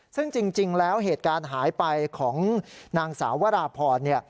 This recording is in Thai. ซึ่งจริงแล้วเหตุการณ์หายไปของนางสาววราพรเนี่ย